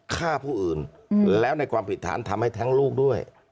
ฆ่าผู้อื่นแล้วในความผิดฐานทำให้แท้งลูกด้วย